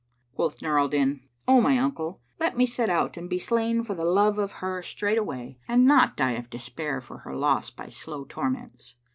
Quoth Nur al Din, "O my uncle, let me set out and be slain for the love of her straightway and not die of despair for her loss by slow torments."